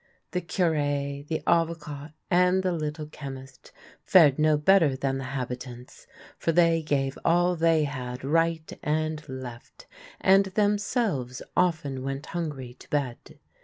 The Cure, the Avocat, and the Little Chemist fared no better than the habitants, for they gave all they had right and left, and themselves often went hungry to bed.